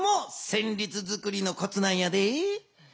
せんりつづくりのコツなんやで。